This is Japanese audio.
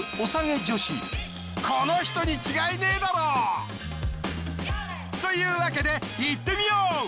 この人に違いねえだろ！というわけでいってみよう！